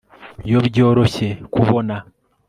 Iyo byoroshye kubona